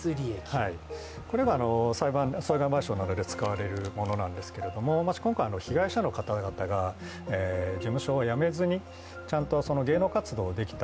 これは裁判所などで使われるものなんですけれども、今回、被害者の方が、事務所を辞めずに芸能活動をできた。